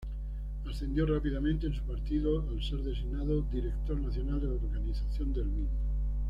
Ascendió rápidamente en su partido al ser designado Director Nacional de Organización del mismo.